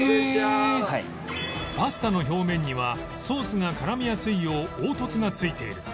パスタの表面にはソースが絡みやすいよう凹凸がついている